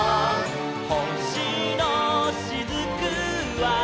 「ほしのしずくは」